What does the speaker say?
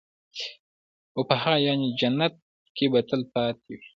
او په هغه يعني جنت كي به تل تلپاتي وي